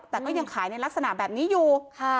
ต้องขายในลักษณะแบบนี้อยู่